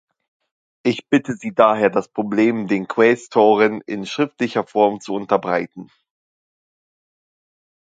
Ich bitte Sie daher, das Problem den Quästoren in schriftlicher Form zu unterbreiten.